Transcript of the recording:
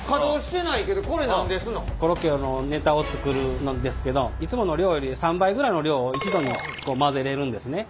コロッケ用のネタを作るんですけどいつもの量より３倍ぐらいの量を一度に混ぜれるんですね。